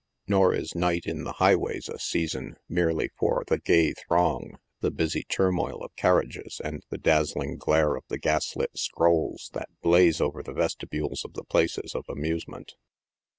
Nor is night in the highways a season, merely, for the gay throng, the busy tur moil of carriages, and the dazzling glare of the gas lit scrolls that blaze over the vestibules of the places of amusement.